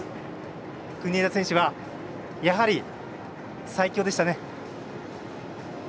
国枝選手はやはり最強でしたね。